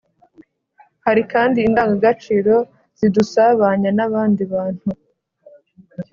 Hari kandi indangagaciro zidusabanya n'abandi bantu